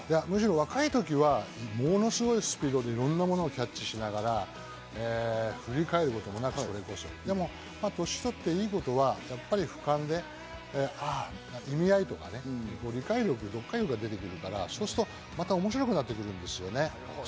むしろ若い時はものすごいスピードでいろんなものをキャッチしながら、振り返ることもなく年取っていいことは、俯瞰で意味合いとか、理解力、読解力が出てくるから、そうするとまた面白くなってくるんですよね。